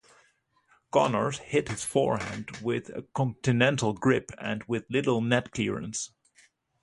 Connors hit his forehand with a continental grip and with little net clearance.